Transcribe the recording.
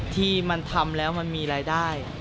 ที่มันทำแล้วมันมีรายได้